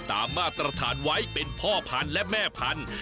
มาตรฐานไว้เป็นพ่อพันธุ์และแม่พันธุ์